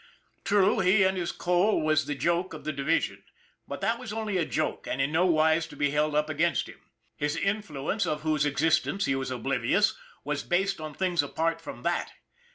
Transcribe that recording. True, he and his coal was the joke of the division; but that was only a joke, and in no wise to be held up against him. His influence, of whose existence he was oblivious, was based on things apart from that.